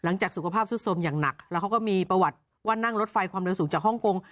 หลังจากสุขภาพสุดสมอย่างหนักแล้วเขาก็มีประวัติว่านั่งรถไฟความเร็วสูงจากฮ่องกง